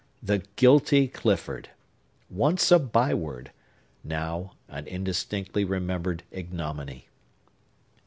The guilty Clifford! Once a byword! Now, an indistinctly remembered ignominy!